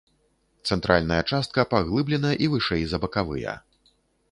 Цэнтральная частка паглыблена і вышэй за бакавыя.